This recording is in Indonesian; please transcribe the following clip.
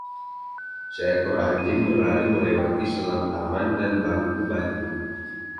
Seekor anjing berlari melewati selang taman dan bangku batu.